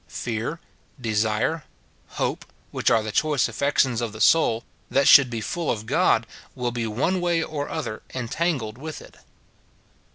Fear, desire, hope, which are the choice affections of the soul, that should he full of God, will be one way or other entangled with it.